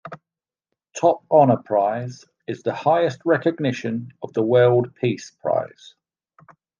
"Top Honor Prize" is the highest recognition of the World Peace Prize.